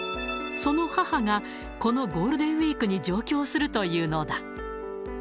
その母が、このゴールデンウィークに上京するというのだ。